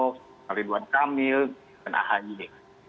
dengan ridwan kamil dengan ahanye